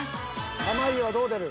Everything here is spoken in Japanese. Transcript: ［濱家はどう出る？］